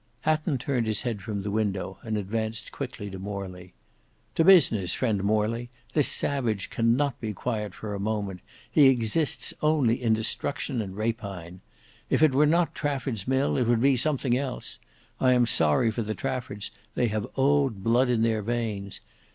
Hatton turned his head from the window, and advanced quickly to Morley. "To business, friend Morley. This savage can not be quiet for a moment; he exists only in destruction and rapine. If it were not Trafford's mill it would be something else. I am sorry for the Traffords; they have old blood in their veins.